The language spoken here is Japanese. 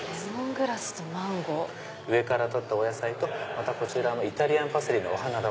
上から採ったお野菜とイタリアンパセリのお花。